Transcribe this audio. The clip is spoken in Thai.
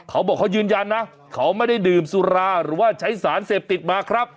เขาบอกเขายืนยันนะเขาไม่ได้ดื่มสุราหรือว่าใช้สารเสพติดมาครับ